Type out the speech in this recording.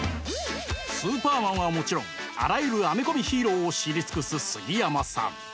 「スーパーマン」はもちろんあらゆるアメコミヒーローを知り尽くす杉山さん！